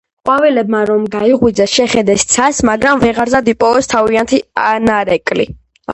ყვავილებმა რომ გაიღვიძეს, შეხედეს ცას, მაგრამ ვეღარსად იპოვეს თავიანთი ანარეკლი.